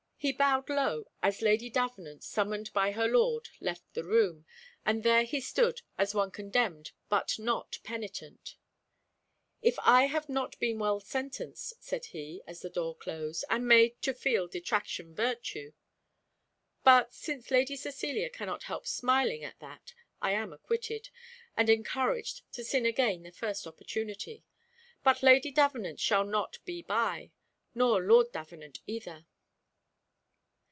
He bowed low as Lady Davenant, summoned by her lord, left the room, and there he stood as one condemned but not penitent. "If I have not been well sentenced," said he, as the door closed, "and made 'to feel detraction virtue!' But since Lady Cecilia cannot help smiling at that, I am acquitted, and encouraged to sin again the first opportunity. But Lady Davenant shall not be by, nor Lord Davenant either."